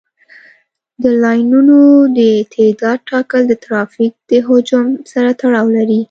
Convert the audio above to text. د لاینونو د تعداد ټاکل د ترافیک د حجم سره تړاو لري